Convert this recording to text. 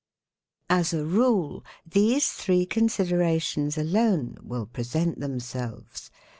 |_ Asarule, these three considerations alone will present themselves.